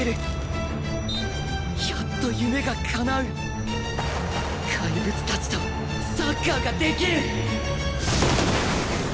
やっと夢がかなうかいぶつたちとサッカーができる！